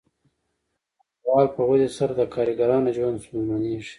د پانګوال په ودې سره د کارګرانو ژوند ستونزمنېږي